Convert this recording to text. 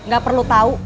gak perlu tahu